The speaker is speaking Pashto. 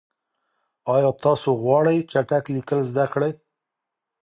آیا تاسو غواړئ چټک لیکل زده کړئ؟